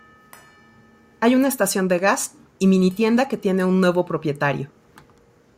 Hay una estación de gas y mini-tienda que tiene un nuevo propietario.